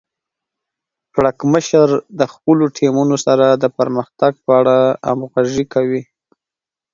پړکمشر د خپلو ټیمونو سره د پرمختګ په اړه همغږي کوي.